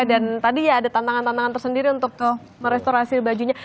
dan tadi ya ada tantangan tantangan tersendiri untuk merestorasi bajunya